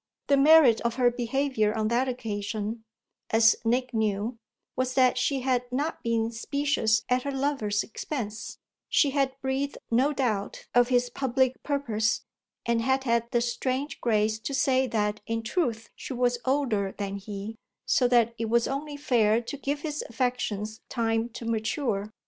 The merit of her behaviour on that occasion, as Nick knew, was that she had not been specious at her lover's expense: she had breathed no doubt of his public purpose and had had the strange grace to say that in truth she was older than he, so that it was only fair to give his affections time to mature.